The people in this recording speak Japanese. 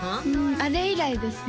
あれ以来ですね